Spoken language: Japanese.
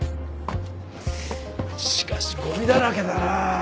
しかしゴミだらけだなあ。